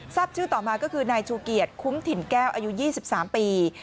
ชื่อต่อมาก็คือนายชูเกียรติคุ้มถิ่นแก้วอายุ๒๓ปี